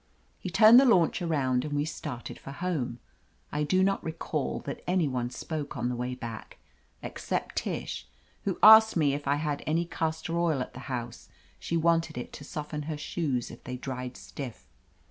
He turned the launch around and we started for home. I do not recall that any one spoke on the way back, except Tish, who asked me if I had any castor oil at the house : she wanted it to soften her shoes if they dried stiff.